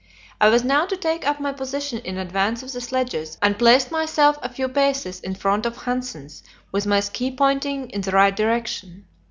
I was now to take up my position in advance of the sledges, and placed myself a few paces in front of Hanssen's, with my ski pointing in the right direction.